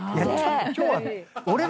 今日は。